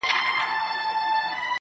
ځكه انجوني وايي له خالو سره راوتي يــو.